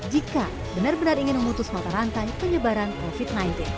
jika benar benar ingin memutus mata rantai penyebaran covid sembilan belas